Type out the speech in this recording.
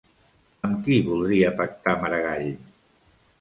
Amb qui voldria pactar Maragall?